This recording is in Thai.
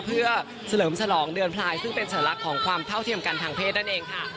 เพื่อเฉลิมฉลองเดือนพลายซึ่งเป็นสัญลักษณ์ของความเท่าเทียมกันทางเพศนั่นเองค่ะ